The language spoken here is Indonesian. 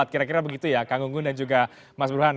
kira kira begitu ya kang gunggun dan juga mas burhan